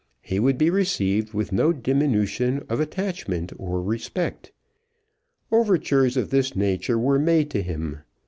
He would be received with no diminution of attachment or respect. Overtures of this nature were made to him.